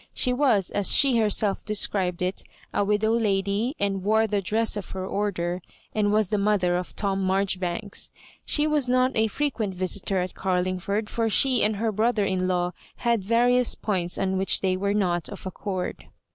She was, as she herself described it, a widow lady, and wore the dress of her order, and was the mother of Tom Maijoribanka She was not a frequent visitor at Oarlingford, for she and her brother in law had various points on which they were not of accord.